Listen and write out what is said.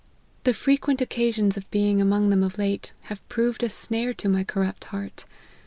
The frequent occasions of being among them of late, have proved a snare to my corrupt heart.